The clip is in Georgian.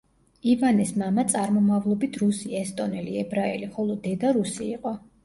ივანეს მამა წარმომავლობით რუსი, ესტონელი, ებრაელი, ხოლო დედა რუსი იყო.